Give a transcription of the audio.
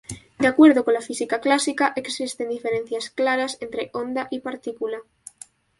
De acuerdo con la física clásica existen diferencias claras entre onda y partícula.